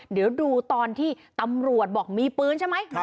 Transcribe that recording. เดี๋ยวดูตอนที่ตำรวจบอกมีปืนใช่ไหม